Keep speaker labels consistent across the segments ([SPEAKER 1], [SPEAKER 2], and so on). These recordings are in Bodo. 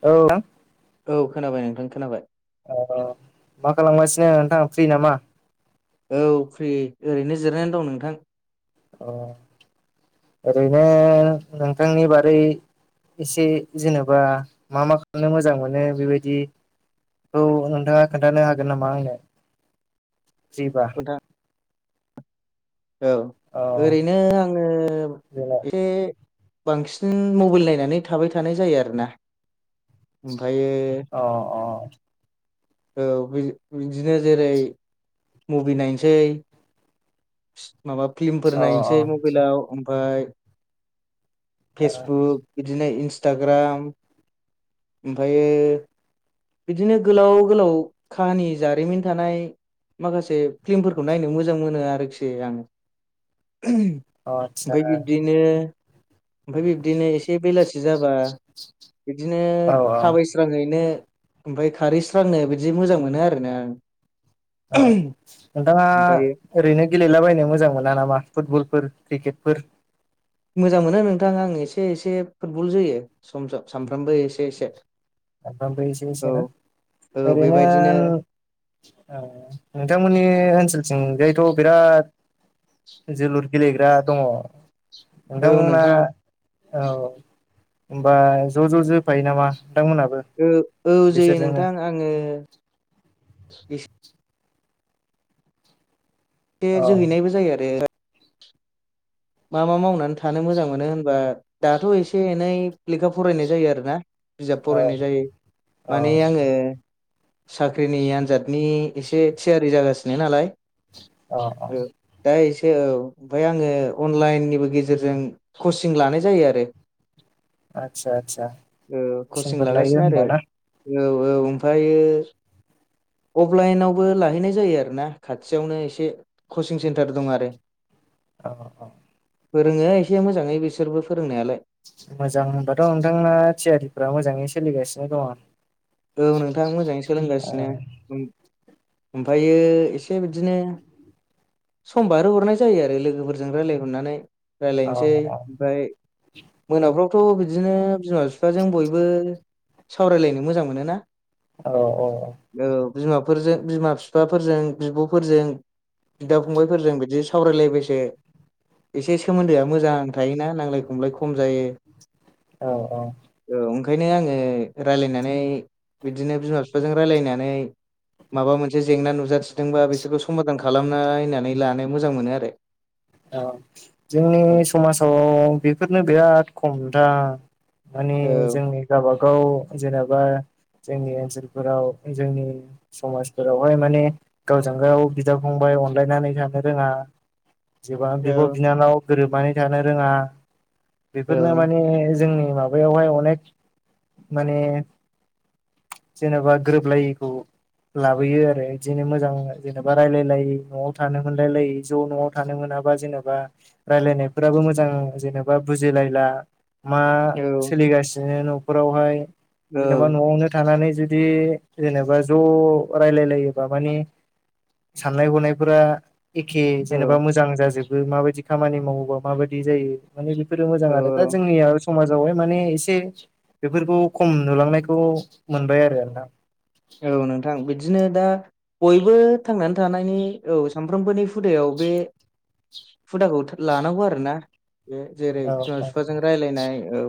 [SPEAKER 1] औ
[SPEAKER 2] औ खोनाबाय नोंथां खोनाबाय।
[SPEAKER 1] औ मा खालामगासिनो नोंथांआ फ्रि नामा?
[SPEAKER 2] औ फ्रि ओरैनो जिरायनानै दं नोंथां।
[SPEAKER 1] अ ओरैनो नोंथांनि बारै एसे जेनेबा मा मा खालामनो मोजां मोनो बेबायदि औ नोंथाङा खोन्थानो हागोन नामा आंनो जेबा
[SPEAKER 2] नोंथां औ ओरैनो आङो
[SPEAKER 1] जेला
[SPEAKER 2] एसे बांसिन मबाइल नायनानै थाबाय थानाय जायो आरोना ओमफ्रायो
[SPEAKER 1] अ अ
[SPEAKER 2] औ बिदिनो जेरै मुभि नायनोसै
[SPEAKER 1] [inaudible]
[SPEAKER 2] माबा फिलमफोर
[SPEAKER 1] औ
[SPEAKER 2] नायनोसै मबाइलाव ओमफ्राय
[SPEAKER 1] अ
[SPEAKER 2] फेसबुक बिदिनो इन्सटाग्राम ओमफ्रायो बिदिनो गोलाव गोलाव काहानि जारिमिन थानाय माखासे फिल्मफोरखौ नायनो मोजां मोनो आरो आङो
[SPEAKER 1] [inaudible] आदसा
[SPEAKER 2] ओमफ्राय बिब्दिनो ओमफ्राय बिब्दिनो एसे बेलासि जाबा बिब्दिनो
[SPEAKER 1] औ
[SPEAKER 2] थाबायस्राहैनो ओमफ्राय खारै स्रांनो बिदि मोजां मोनो आरोना
[SPEAKER 1] औ नोंथाङा
[SPEAKER 2] ओमफ्रायो
[SPEAKER 1] ओरैनो गेलेलाबायनो मोजां मोना नामा फुटबलफोर क्रिकेटफोर
[SPEAKER 2] मोजां मोनो नोंथां आं एसे एसे फुटबल जोयो सम सम सानफ्रामबो एसे एसे
[SPEAKER 1] सानफ्राबो एसे एसे
[SPEAKER 2] औ
[SPEAKER 1] ना?
[SPEAKER 2] औ
[SPEAKER 1] ओरैनो
[SPEAKER 2] बेबायदिनो
[SPEAKER 1] नोंथांमोननि ओ ओनसोल थिंजायथ' बिराद जोलुर गेलेग्रा दङ।
[SPEAKER 2] औ
[SPEAKER 1] नोथां मोना
[SPEAKER 2] नोंथां
[SPEAKER 1] औ होम्बा ज' ज' जोफायो नामा? नोंथांमोनाबो
[SPEAKER 2] औ औ जे
[SPEAKER 1] बिसोरजोंनो
[SPEAKER 2] नोंथां आङो एसे
[SPEAKER 1] औ
[SPEAKER 2] जोहैनायबो जायो आरो। मा मा मावनानै थानो मोजां मोनो होनबा दाथ' एसे एनै लेखा फरायनाय जायो आरोना। बिजाब
[SPEAKER 1] औ
[SPEAKER 2] फरायनाय जायो
[SPEAKER 1] औ
[SPEAKER 2] माने आङो साख्रिनि आन्जादनि एसे थियारि जागासिनो नालाय।
[SPEAKER 1] अ औ
[SPEAKER 2] दा औ एसे ओमफ्राय आङो अनलाइननिबो गेजेरजों कचिं लानाय जायो आरो।
[SPEAKER 1] आदसा आदसा
[SPEAKER 2] ओ कचिं
[SPEAKER 1] कुइसनफोर लायो
[SPEAKER 2] लागासिनो
[SPEAKER 1] होमबा
[SPEAKER 2] आरो
[SPEAKER 1] ना
[SPEAKER 2] औ औ ओमफ्रायो अफलाइनावबो लाहैनाय जायो आरो ना खाथियावनो एसे कचिं सेन्टार दं आरो।
[SPEAKER 1] औ औ
[SPEAKER 2] फोरोङो एसे मोजाङै बिसोरबो फोरोंनायालाय
[SPEAKER 1] मोजां होनबाथ' नोंथांना थियारिफ्रा मोजाङै सोलिगासिनो दङ।
[SPEAKER 2] औ नोंथां मोजाङै
[SPEAKER 1] औ
[SPEAKER 2] सोलोंगासिनो। ओमफ्रायो एसे बिदिनो सम बारो हरनाय जायो आरो लोगोफोरजों रायज्लायहरनानै।
[SPEAKER 1] औ
[SPEAKER 2] रायजलायनोसै ओमफ्राय मोनाफ्राव थ' बिदिनो बिमा बिफाजों बयबो सावरायलायनो मोजां मोनो ना?
[SPEAKER 1] औ औ
[SPEAKER 2] बिमाफोरजों, बिमा-बिफाफोरजों, बिब'फोरजों बिदा-फंबायफोरजों बिदि सावरायलायबायसो एसे सोमोन्दोआ मोजां थायोना नांलाय खमलाय खम जायो।
[SPEAKER 1] औ औ
[SPEAKER 2] औ ओंखायनो आङो रायजलायनानै बिदिनो बिमा-बिफाजों रायलायनानै माबा मोनसे जेंना नुजासिदोंबा बिसोरखौ समधान खालामनानानै लानो मोजां मोनो आरो।
[SPEAKER 1] औ
[SPEAKER 2] औ
[SPEAKER 1] जोंनि समाजाव बेफोरनो बिराद खम नोंथां। माने
[SPEAKER 2] औ
[SPEAKER 1] जोंनि गावबागाव जेनेबा जोंनि ओनसोलफोराव जोंनि समाजफोरावहाय माने गावजोंगाव बिदा-फंबाय अनलायनानै थानो रोङा जेबां बिब'-बिनानाव गोरोबनानै थानो रोङा।
[SPEAKER 2] औ
[SPEAKER 1] बेफोरनो माने जोंनि माबायावहाय अनेक माने जेनेबा गोरोबलायैखौ लाबोयो आरो बिदिनो मोजां जेनेबा रायलायलायै न'आव थानो मोनलायलाय ज' न'आव थानो मोनाबा जेनेबा रायलायनायफोराबो मोजां जेनेबा बुजिलायला। मा
[SPEAKER 2] औ
[SPEAKER 1] सोलिगासिनो न'फोरावहाय
[SPEAKER 2] औ
[SPEAKER 1] जेनेबा न'आवनो थानानै जुदि जेनेबा ज' रायलायलायोबा माने साननाय हनायफोरा एखे जेनेबा
[SPEAKER 2] औ
[SPEAKER 1] मोजां जाजोबो, माबायदि खामानि मावोबा माबायदि जायो? माने बेफोरो मोजां
[SPEAKER 2] औ
[SPEAKER 1] आरो दा जोंनिया समाजावहाय माने एसे बेफोरखौ खम नुलांनायखौ मोनबाय आरो आरो ना।
[SPEAKER 2] औ नोंथां। बिदिनो दा बयबो थांनानै थानायनि, औ सानफ्रोमबोनि हुदायाव बे हुदाखौ लानांगौ आरोना। बे जेरै
[SPEAKER 1] औ
[SPEAKER 2] बिमा-बिफाजों रायलायनाय औ।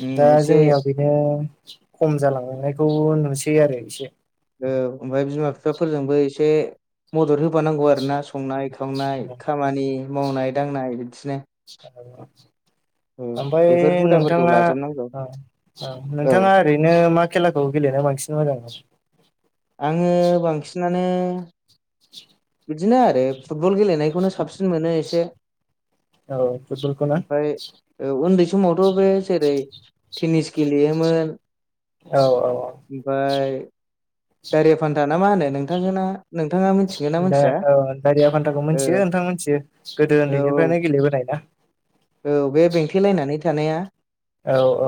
[SPEAKER 2] उम
[SPEAKER 1] दा
[SPEAKER 2] एसे
[SPEAKER 1] जोंनियाव बेनो खम जालांनायखौ नुसै आरो इसे।
[SPEAKER 2] औ, ओमफ्राय बिमा-बिफाफोरजोंबो एसे मदद होबानांगौ आरो ना। संनाय-खावनाय खामानि मावनाय-दांनाय बिदिनो
[SPEAKER 1] स
[SPEAKER 2] औ
[SPEAKER 1] [unintelligible] ओमफ्राय
[SPEAKER 2] बेफोर हुदाफोरखौ
[SPEAKER 1] नोंथाङा?
[SPEAKER 2] लाजोबनांगौ
[SPEAKER 1] औ औ।
[SPEAKER 2] औ
[SPEAKER 1] नोंथाङा ओरैनो मा खेलाखौ गेलेनो बांसिन [unintelligible]
[SPEAKER 2] आङो बांसिनानो बिदिनो आरो फुटबल गेलेनायखौनो साबसिन मोनो एसे।
[SPEAKER 1] औ फुथबलखौ ना?
[SPEAKER 2] ओमफ्राय ओ उन्दै समावथ' बे जेरै टेनिस गेलेयोमोन।
[SPEAKER 1] औ औ
[SPEAKER 2] ओमफ्राय दारिया फान्था ना मा होनो? नोंथां मोनना
[SPEAKER 1] दा औ दाारिया फान्थाखौ मिनथियो
[SPEAKER 2] ओ
[SPEAKER 1] नोंथां मोनथियो गोदो
[SPEAKER 2] औ
[SPEAKER 1] उन्दैनिफ्रायनो गेलेबोनाय ना।
[SPEAKER 2] औ बे बेंथेलायनानै थानाया।
[SPEAKER 1] औ औ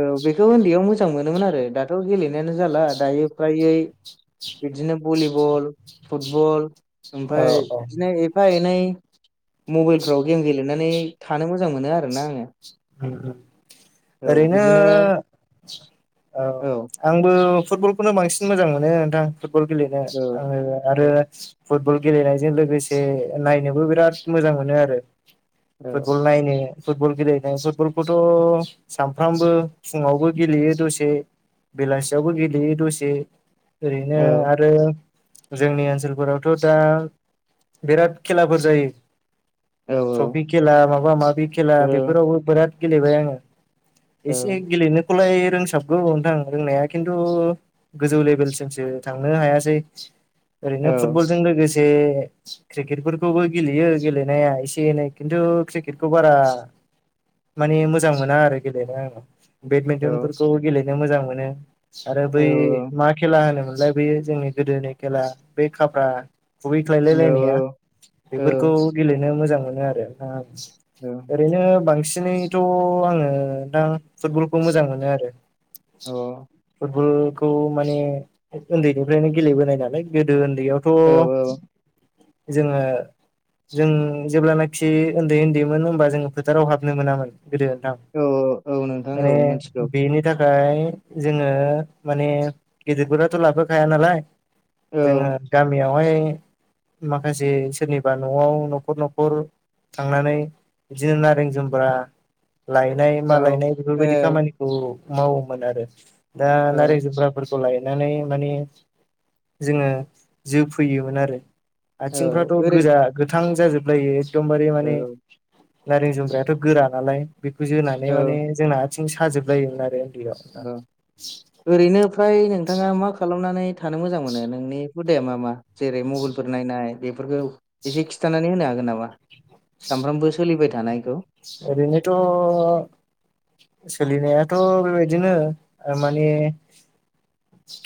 [SPEAKER 2] औ बेखौ उन्दैयाव मोजां मोनोमोन आरो आरो दाथ' गेलेनायानो जाला दायो फ्रायै बिदिनो भलिबल फुटबल
[SPEAKER 1] औ
[SPEAKER 2] ओमफ्राय बिदिनो एफा ए नै मबाइलफ्राव गेम गेलेनानै थानो मोजां मोनो आरो ना आङो।
[SPEAKER 1] उम उम
[SPEAKER 2] औ
[SPEAKER 1] ओरै'नो
[SPEAKER 2] बिदिनो
[SPEAKER 1] औ आंबो फुटबल खौनो बांसिन सिन मोजां मोनो नोंथां फुटबल गेलेनो
[SPEAKER 2] औ
[SPEAKER 1] आङो आरो फुटबल गेलेनायजों लोगोसे नायनोबो बिराद मोजां मोनो आरो।
[SPEAKER 2] औ
[SPEAKER 1] फुटबल नायनो फुटबल गेले नो फुटबलखौथ' सामफ्रामबो फुङावबो गेलेयो दसे बेलासियावबो गेलेयो दसे ओरै'नो आरो। जोंनि ओनसोल फोरावथ' दा बिराद खेलाफोर जायो।
[SPEAKER 2] औ
[SPEAKER 1] ट्रपि खेला माबा मााब खेला
[SPEAKER 2] औ
[SPEAKER 1] बे बिराद गेलेबाय आङो।
[SPEAKER 2] औ
[SPEAKER 1] एसे गेलेनो खौलाय रोंसाबगौ नोंथां रोंनाया। खिन्थु गोजौ लेभेलसिमसो थांनो हायासै।
[SPEAKER 2] औ
[SPEAKER 1] ओरै'नो फुटबलजों लोगोसे क्रिकेटफोर'खौबो गेलेयो गेलेनाया एसे एनै खिन्थु क्रिकेटखौ बारा माने मोजां मोना आरो गेलेनो आङो बेडमिन्टन फोरखौ गेलेनो मोजां मोनो। आरो बै मा खेला होनोमोनलाय बैयो जोंनि गोदोनि खेला बे खाफ्रा खुबैय खायलाय लायनाया बेफोरखौ गेलेनो मोजां मोनो आरो। ओरै'नो बांसिनैथ' आङो दा फुटबल'खौ मोजां मोनो आरो। फुटबल'खौ माने उन्दैनिफ्रायनो गेलेबोनाय नालाय गोदो उन्द' दैै यावथ'
[SPEAKER 2] औ
[SPEAKER 1] जोङो जों जेब्लानाखि उन्दै उन्दैमोन होमबा जोङो। फो टाराव हाबनो मोनामोन गोदोथाम
[SPEAKER 2] औ औ नोंथां औ
[SPEAKER 1] माने
[SPEAKER 2] मिथिगौ
[SPEAKER 1] बेनि थाखाय फ्राय जोङो माने गिदिरफोराथ' लाबोखाया नालाय।
[SPEAKER 2] औ
[SPEAKER 1] जोङो गामियाव हाय। माखासे सोरनिबा न'आव न'खर न'खर थांनानै। बिदिनो नारें जुमब्रा लायनाय
[SPEAKER 2] औ
[SPEAKER 1] मालायनाय बेफोरबायदि खामानिखौ मावोमोन आरो। दा
[SPEAKER 2] औ औ
[SPEAKER 1] नारे जुम्राफोर खौ लायनानै माने जोङो जो फैयोमोन आरो।
[SPEAKER 2] औ
[SPEAKER 1] आथिंफ्राथ'
[SPEAKER 2] ओरै
[SPEAKER 1] गोजा गोथां जाजोबलायो एखदम बारे माने।
[SPEAKER 2] औ
[SPEAKER 1] नारें जुमगायाथ' गोरा नालाय बेखौ जोनानै माने
[SPEAKER 2] औ
[SPEAKER 1] जोंना आथिं साजोब लायोमोन आरो। उन्दैयाव
[SPEAKER 2] दा ओरै' नो फ्राय नोंथाङा मा खालामनानै थानो मोजां मोनो नोंनि हुदाया मा मा जेरै' मबाइलफोर नायनाय बेफोरखौ एसे खिन्थानानै होनो हागोन? नामा सानफ्रामबो सोलिबाय थानायखौ।
[SPEAKER 1] एरैनोथ' सोलिनायाथ' बेबायदिनो ओ मानि।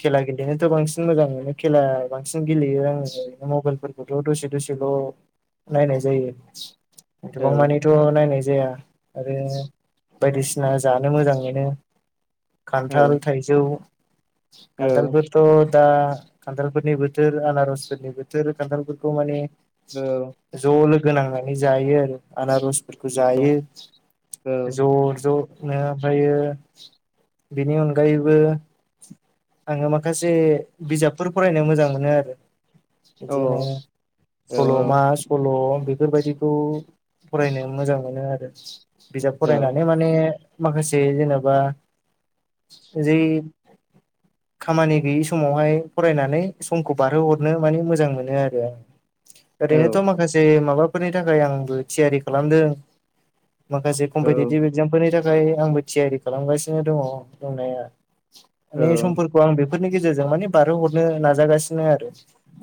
[SPEAKER 1] खेला गेलेनोथ' बांसिन मोजां मोनो खेला बांसिन गेलेयो आङो औरैनो मबाइल फोरखौथ' दसे दसेल' नायनाय जायो। एथबां
[SPEAKER 2] औ
[SPEAKER 1] मानिथ' नायनाय जाया। आरो बायदिसिना जानो मोजां मोनो।
[SPEAKER 2] औ
[SPEAKER 1] खान्थाल, थाइजौ
[SPEAKER 2] औ
[SPEAKER 1] खान्थाल फोथ' दा खान्थाल फोरनि बोथोर आनारस फोरनि बोथोर खान्थाल फोरखौ माने
[SPEAKER 2] औ।
[SPEAKER 1] गोनांनानै जायो। आरो आनारसफोरखौ
[SPEAKER 2] औ
[SPEAKER 1] जायो।
[SPEAKER 2] औ
[SPEAKER 1] ज' ज' नो ओमफ्रायो बेनि अनगायैबो। आङो माखासे बिजाबफोर फरायनो मोजां मोनो आरो।
[SPEAKER 2] औ
[SPEAKER 1] बिदिनो
[SPEAKER 2] औ
[SPEAKER 1] सलमा सल। बेफोरबायदिखौ फरायनो मोजां मोनो आरो बिजाब
[SPEAKER 2] औ
[SPEAKER 1] फरायनानै माने माखासे जेनेबा जै खामानि गैयि समावहाय फरायनानै समखौ बारहोहरनो माने मोजां मोनो आरो ओरैनोथ' माखासे माबाफोरनि थाखाय आंबो थियारि खालामदों माखासे कम्पिटिटिभ एगजामफोरनि थाखाय आंबो थियारि खालामगासिनो दङ दंनाया
[SPEAKER 2] औ
[SPEAKER 1] माने समफोरखौ आं बेफोरनि गेजेरजों माने बारहरनो नाजागासिनो आरो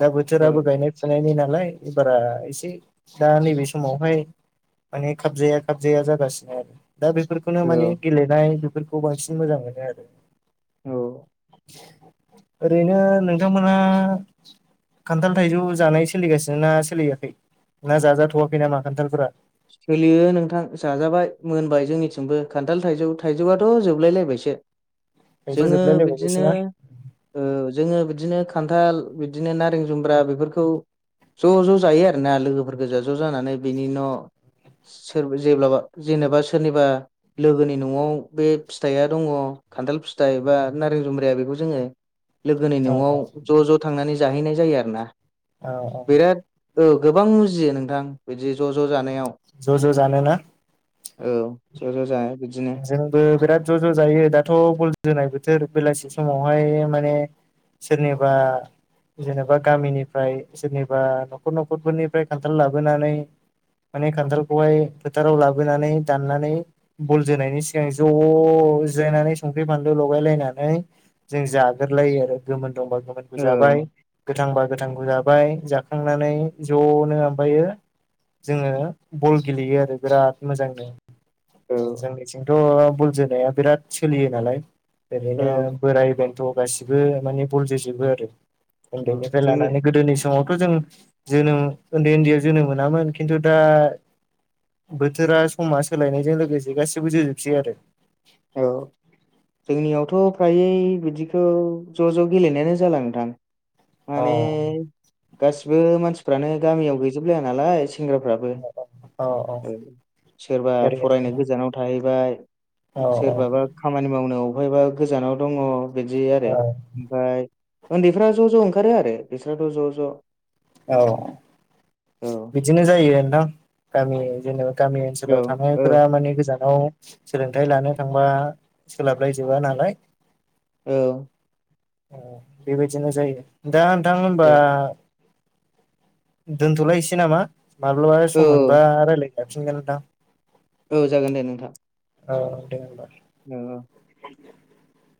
[SPEAKER 1] दा
[SPEAKER 2] औ
[SPEAKER 1] बोथोराबो गायनाय फुनायनि ना नालाय बारा एसे दा नैबे समावहाय माने खाबजाया खाबजाया जागासिनो आरो दा बेफोरखौनो माने गेलेनाय बेफोरखौ बांसिन मोजां मोनो आरो
[SPEAKER 2] औ
[SPEAKER 1] ओरैनो नोंथांमोना खान्थाल थाइजौ जानाय सोलिगासिनो ना सोलियाखै ना जाजाथ'वाखै नामा खान्थालफोरा
[SPEAKER 2] सोलियो नोंथां जाजाबाय मोनबाय जोंनिथिंबो खान्थाल थाइजौ थाइजौआथ' जोबलायलायबायसो
[SPEAKER 1] थाइजौआ
[SPEAKER 2] जोङो
[SPEAKER 1] जोबलाय
[SPEAKER 2] बिदिनो
[SPEAKER 1] लायबावबायसोना
[SPEAKER 2] ओ जोङो बिदिनो खान्थाल बिदिनो नारें जुम्ब्रा बेफोरखौ ज' ज' जायो आरोना लोगोफोर गोजा ज' जानानै बिनि न'
[SPEAKER 1] अ
[SPEAKER 2] जेब्ला जेनेबा सोरनिबा लोगोनि न'आव बे फिथाइया दङ' खा न्थाल फिथाइ बा नारें जुम्ब्राया बेखौ जोङो। लोगोनि
[SPEAKER 1] औ
[SPEAKER 2] न'आव ज' ज' थांनानै जाहैनाय जायो आरो ना
[SPEAKER 1] औ औ
[SPEAKER 2] औ गोबां बुजियो नोंथां बिदि ज' ज' जानायाव
[SPEAKER 1] ज ज' जानो ना
[SPEAKER 2] औ ज ज जा
[SPEAKER 1] जोंबो बिराद ज' ज' जायो दाथ' बल जोनाय बोथोर बेलासि समावहाय माने सोरनिबा जेनेबा गामिनिफ्राय सोरनिबा न'खर न'खरफोरनिफ्राय खान्थाल लाबोनानै माने खान्थालखौहाय फोथाराव लाबोनानै दाननानै बल जोनायनि सिगां ज' जिरायनानै संख्रि फानलु लगाय लायनानै जों जाग्रोलाय नाय गोमोन दंबा गोमोनबो
[SPEAKER 2] औ
[SPEAKER 1] जाबाय गोथांबा गोथांखौ जाबाय जाखांनानै ज'नो ओमफायो जोङो बल गेलेयो आरो बिराद मोजांनो
[SPEAKER 2] औ
[SPEAKER 1] जोंनिथिंथ' बुल जोना बिराद सोलियो नालाय
[SPEAKER 2] औ
[SPEAKER 1] ओरैनो बोराय बेंन्थ' गासिबो माने बल जजोबो
[SPEAKER 2] औ
[SPEAKER 1] आरोन्दैनि
[SPEAKER 2] जोंनि
[SPEAKER 1] लानानै गोदोनि समाव जों जोनोम उन्दै उन्दैआव जोनोम मोनामोन खिन्थु दा बोथोरा समा सोलायनायजों लोगोसे गासिबो जोजोबसै आरो
[SPEAKER 2] औ जोंनियावथ' फ्रायै बिदिखौ ज' ज' गेलेनायानो जाला नोंथां
[SPEAKER 1] औ
[SPEAKER 2] माने गासिबो मानसिफ्रानो गामियाव गैजोबलाया नालाय सेंग्राफ्राबो
[SPEAKER 1] औ
[SPEAKER 2] सोरबा फरायनो
[SPEAKER 1] ओरैनो
[SPEAKER 2] गोजानाव थाहैबाय
[SPEAKER 1] औ
[SPEAKER 2] सोरबाबा खामानि मावनो अहायबा गोजानाव दङ बिदि आरो
[SPEAKER 1] औ
[SPEAKER 2] ओमफाय उन्दैफ्रा ज' ज' ओंखारो आरो बिस्राथ' ज' ज'
[SPEAKER 1] औ
[SPEAKER 2] औ
[SPEAKER 1] बिदिनो जायो नोंथां गामि जेनेबा गामि
[SPEAKER 2] औ
[SPEAKER 1] ओनसोलाव
[SPEAKER 2] औ
[SPEAKER 1] थानायफोरा माने गोजानाव सोलोंथायाइ लानो थांबा सोलाबलाय जोबा नालाय
[SPEAKER 2] औ
[SPEAKER 1] बेबायदिनो जायो दा नोंथां होनबा दोनथ'लायसै नामा माब्लाबा सम
[SPEAKER 2] औ
[SPEAKER 1] मोनबा रायलाय जाफिनगोनदां
[SPEAKER 2] औ जागोन दे नोंथां।
[SPEAKER 1] औ दे होनबा
[SPEAKER 2] औ
[SPEAKER 1] [inaudible]